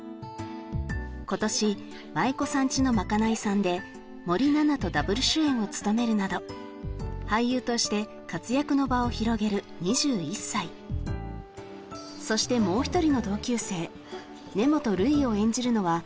今年「舞妓さんちのまかないさん」で森七菜とＷ主演を務めるなど俳優として活躍の場を広げる２１歳そしてもう一人の同級生根本留依を演じるのは長澤樹